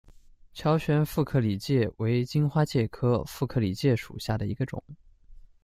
乔玄副克里介为荆花介科副克里介属下的一个种。